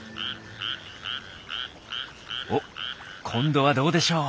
おっ今度はどうでしょう？